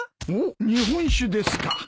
おっ日本酒ですか。